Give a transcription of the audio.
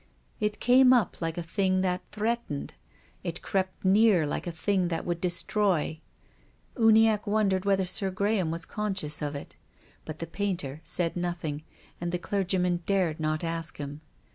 It came up like a thing that threatened. It crept near like a thing that would destroy. Uniacke wondered whether Sir Graham was conscious of it. But the painter said nothing, and the clergyman dared not ask him.